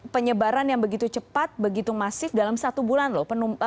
penyebaran yang begitu cepat begitu masif dalam satu bulan loh